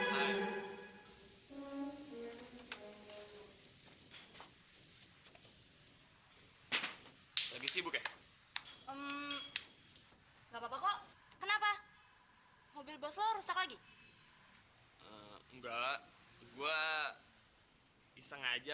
hai lagi sibuk ya enggak apa apa kok kenapa mobil bos lo rusak lagi enggak gua iseng aja